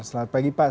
selamat pagi pak